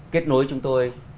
kết nối chúng tôi